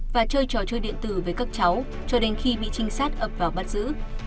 và chơi trò chơi điện tử với các cháu cho đến khi bị trinh sát ập vào bắt giữ